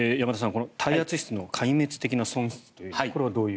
この耐圧室の壊滅的な喪失というこれは。